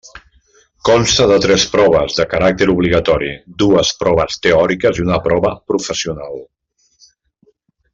Consta de tres proves de caràcter obligatori, dues proves teòriques i una prova professional.